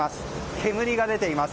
煙が出ています。